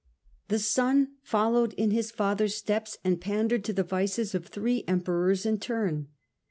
The son followed in his father's steps and pandered to the vices of three Emperors in turn.